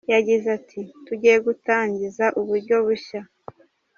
Yagize ati “Tugiye gutangiza uburyo bushya.